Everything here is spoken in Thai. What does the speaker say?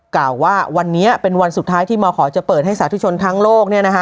กล่าวว่าวันนี้เป็นวันสุดท้ายที่มขอจะเปิดให้สาธุชนทั้งโลก